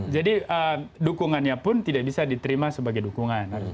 jadi dukungannya pun tidak bisa diterima sebagai dukungan